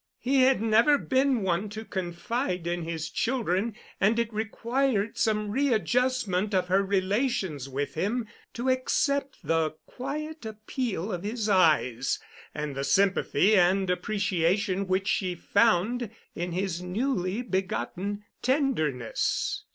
He had never been one to confide in his children, and it required some readjustment of her relations with him to accept the quiet appeal of his eyes and the sympathy and appreciation which she found in his newly begotten tenderness.